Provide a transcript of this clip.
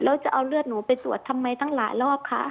แล้วจะเอาเลือดหนูไปสวดทำไมตั้งหลายรอบค่ะ